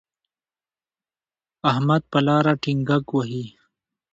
احمد په لاره ډینګګ وهي.